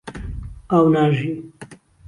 ئاو ناژی